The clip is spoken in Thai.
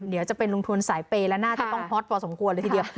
เดี๋ยวจะเป็นลงทุนสายเปย์และน่าจะต้องฮอตพอสมควรเลยทีเดียว